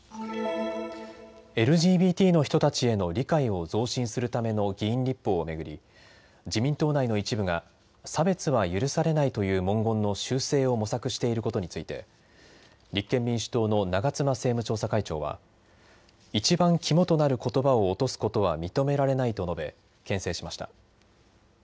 ＬＧＢＴの人たちへの理解を増進するための議員立法を巡り自民党内の一部が差別は許されないという文言の修正を模索していることについて、立憲民主党の長妻政務調査会長はいちばん肝となることばを落とすことは認められないと述べけん制しました。